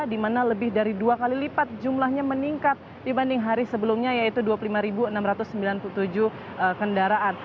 di mana lebih dari dua kali lipat jumlahnya meningkat dibanding hari sebelumnya yaitu dua puluh lima enam ratus sembilan puluh tujuh kendaraan